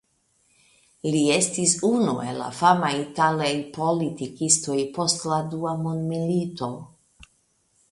Li estis unu el la famaj italaj politikistoj post la Dua Mondmilito.